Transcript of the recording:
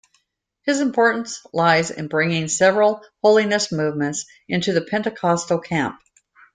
His importance lies in bringing several Holiness movements into the Pentecostal camp.